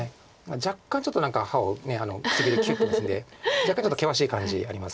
若干ちょっと何か歯を唇キュッと結んで若干ちょっと険しい感じありますけど。